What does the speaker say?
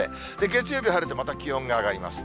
月曜日晴れてまた気温が上がります。